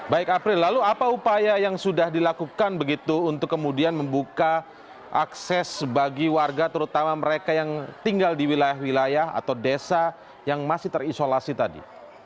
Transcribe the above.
baik april lalu apa upaya yang sudah dilakukan begitu untuk kemudian membuka akses bagi warga terutama mereka yang tinggal di wilayah wilayah atau desa yang masih terisolasi tadi